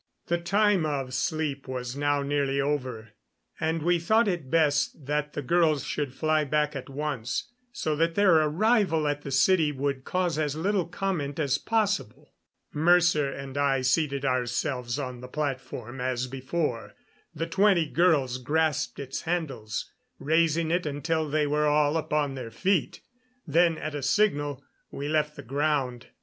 The time of sleep was now nearly over, and we thought it best that the girls should fly back at once, so that their arrival at the city would cause as little comment as possible. Mercer and I seated ourselves on the platform as before; the twenty girls grasped its handles, raising it until they were all upon their feet; then, at a signal, we left the ground.